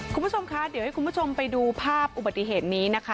คุณผู้ชมคะเดี๋ยวให้คุณผู้ชมไปดูภาพอุบัติเหตุนี้นะคะ